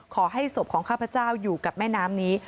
ศพของข้าพเจ้าอยู่กับแม่น้ำนี้